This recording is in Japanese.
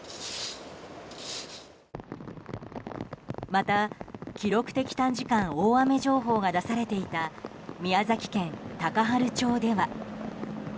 また、記録的短時間大雨情報が出されていた宮崎県高原町では。